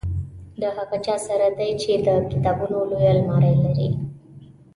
د هغه چا سره دی چې د کتابونو لویه المارۍ لري.